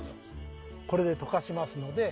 これで溶かしますので。